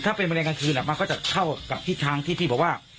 ถ้าเป็นแมลงกลางคืนมันก็จะเข้ากับทิศทางที่บอกว่า